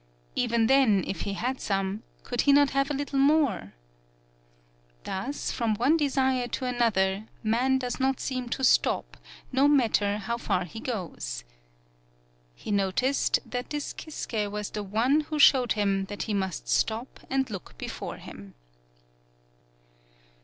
Even then, if he had some, could he not have a little more ! Thus, from one de sire to another, man does not seem to stop, no matter how far he goes. He 20 TAKASE BUNE noticed that this Kisuke was the one who showed him that he must stop and look before him.